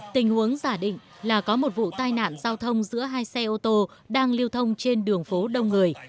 tình huống giả định là có một vụ tai nạn giao thông giữa hai xe ô tô đang lưu thông trên đường phố đông người